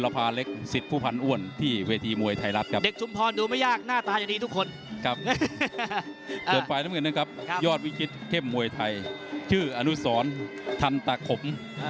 แพ้๑๘เสมอ๒ครั้ง